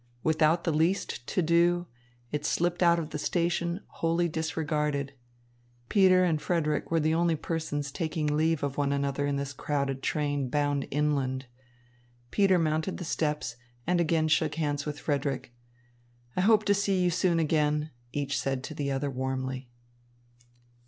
Without the least to do, it slipped out of the station wholly disregarded. Peter and Frederick were the only persons taking leave of one another in this crowded train bound inland. Peter mounted the steps, and again shook hands with Frederick. "I hope to see you soon again," each said to the other warmly.